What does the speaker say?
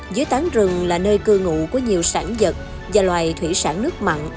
dưới tán rừng là nơi cư ngụ của nhiều sản vật và loài thủy sản nước mặn